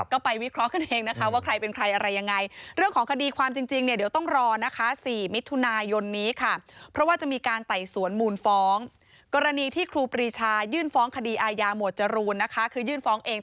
ก็ไปวิเคราะห์กันเองนะคะว่าใครเป็นใครอะไรยังไง